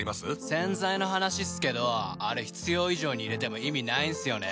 洗剤の話っすけどあれ必要以上に入れても意味ないんすよね。